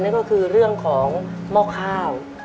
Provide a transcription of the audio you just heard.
นั่นก็คือเรื่องของหม้อข้าว